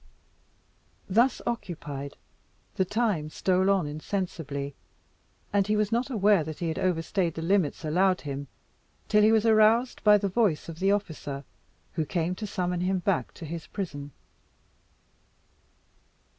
Thus occupied, the time stole on insensibly, and he was not aware that he had over stayed the limits allowed him, till he was aroused by the voice of the officer, who came to summon him back to his prison.